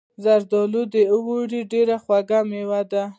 زردالو د اوړي ډیره خوږه میوه ده.